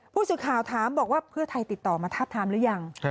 ผู้สื่อข่าวถามบอกว่าเพื่อไทยติดต่อมาทาบทามหรือยัง